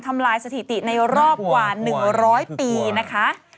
ทำลายสถิติในรอบกว่า๑๐๐ปีนะคะ